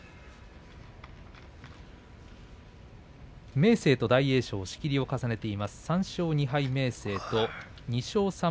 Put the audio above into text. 明生と大栄翔が仕切りを重ねています。